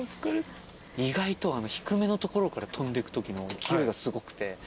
意外と低めのところから飛んでくときの勢いがすごくて。